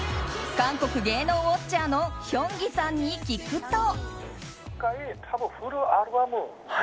韓国芸能ウォッチャーのヒョンギさんに聞くと。